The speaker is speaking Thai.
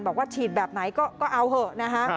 บอกว่าฉีดแบบไหนก็เอาเถอะนะคะ